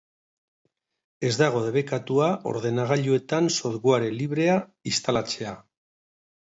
Ez dago debekatua ordenagailuetan software librea instalatzea.